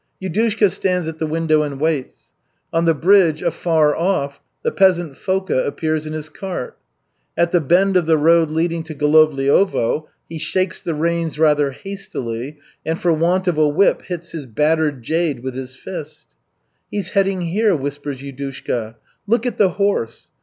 Yudushka stands at the window and waits. On the bridge afar off the peasant Foka appears in his cart. At the bend of the road leading to Golovliovo he shakes the reins rather hastily, and for want of a whip hits his battered jade with his fist. "He's heading here," whispers Yudushka. "Look at the horse.